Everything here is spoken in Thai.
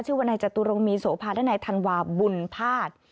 ชื่อว่าในจตุรมีโสภาและในธันวาบุญภาษ